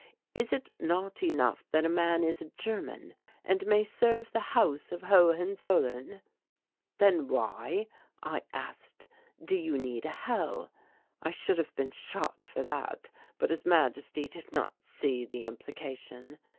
Is it not enough that a man is a German, and may serve the House of Hohenzollern?' "'Then why,' I asked, 'do you need a Hell?' I should have been shot for that but His Majesty did not see the implication.